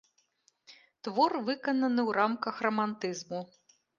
Твор выканана ў рамках рамантызму.